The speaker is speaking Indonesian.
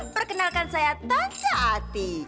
perkenalkan saya tante ati